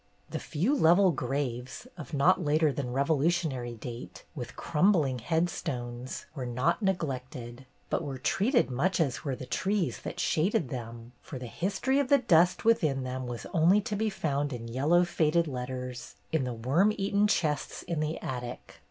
The few level graves, of not later than Revolutionary date, with crumbling headstones, were not neglected, but were treated much as were the trees that shaded them ; for the history of the dust within them was only to be found in yellow faded letters in the worm eaten chests in the attic.